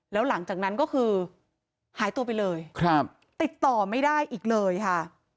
แล้วหลังจากนั้นก็คือหายตัวไปเลยครับติดต่อไม่ได้อีกเลยค่ะ